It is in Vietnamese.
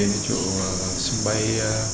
xe về chỗ sân bay